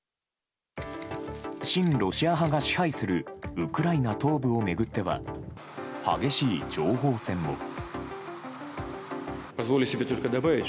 親ロシア派が支配するウクライナ東部を巡っては激しい情報戦も。